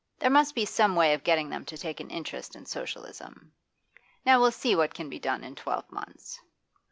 There must be some way of getting them to take an interest in Socialism. Now we'll see what can be done in twelve months.